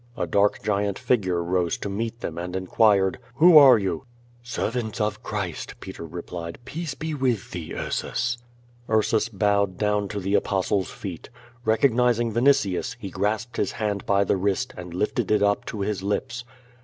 A dark giant figure rose to meet them, and inquired: "Who are you?" "SerA'ants of Christ," Peter replied. "Peace be with thee, Ursus." Ursus bowed down to the Ai>ostle's feet. Recognizing Vinitius, he grasped his hand by the wrist, and lifted it up to his lips.